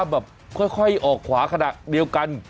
แบบค่อยออกขวาขนาดเดียวกัน